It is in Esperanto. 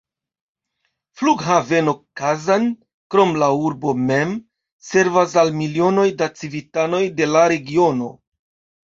Flughaveno Kazan, krom la urbo mem, servas al milionoj da civitanoj de la regiono.